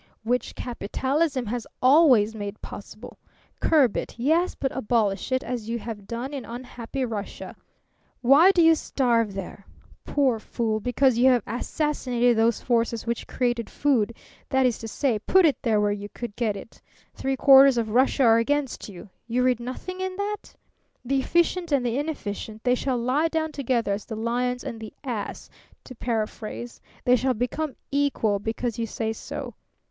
"Which capitalism has always made possible. Curb it, yes; but abolish it, as you have done in unhappy Russia! Why do you starve there? Poor fool, because you have assassinated those forces which created food that is to say, put it where you could get it. Three quarters of Russia are against you. You read nothing in that? The efficient and the inefficient, they shall lie down together as the lion and the ass, to paraphrase. They shall become equal because you say so.